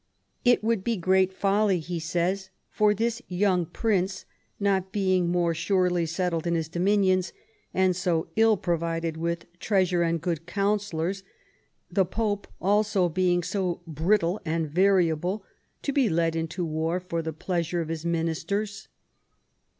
" It would be great folly," he says, " for this young prince, not being more surely settled in his dominions, and so ill provided with treasure and good councillors, the Pope also being so brittle and variable, to be led into war for the pleasure of his ministers."